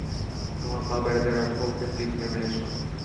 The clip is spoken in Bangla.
তোমার পা প্যাডেলে রাখো ওকে প্লিজ নেমে এসো।